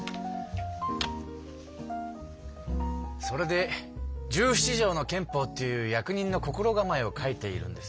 それで十七条の憲法っていう役人の心構えを書いているんです。